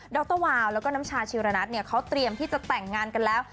รวาวแล้วก็น้ำชาชีระนัทเนี่ยเขาเตรียมที่จะแต่งงานกันแล้ว